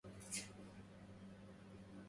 مديحك من تطالبه برفد